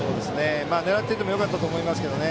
狙って行ってもよかったと思いますけどね。